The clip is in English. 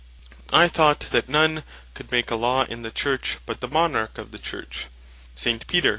I thought that none could make a Law in the Church, but the Monarch of the Church, St. Peter.